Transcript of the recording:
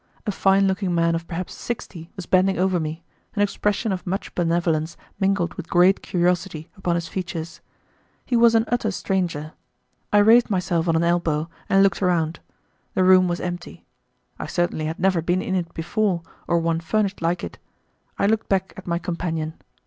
A fine looking man of perhaps sixty was bending over me, an expression of much benevolence mingled with great curiosity upon his features. He was an utter stranger. I raised myself on an elbow and looked around. The room was empty. I certainly had never been in it before, or one furnished like it. I looked back at my companion.